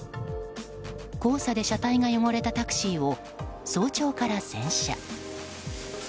黄砂で車体が汚れたタクシーを早朝から洗車。